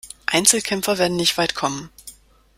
Einzelkämpfer werden nicht weit kommen.